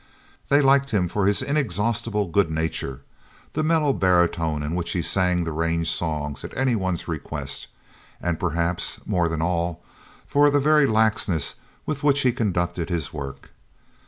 They liked him for his inexhaustible good nature, the mellow baritone in which he sang the range songs at any one's request, and perhaps more than all, for the very laxness with which he conducted his work.